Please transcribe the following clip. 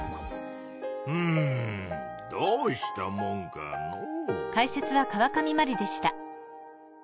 うんどうしたもんかのう。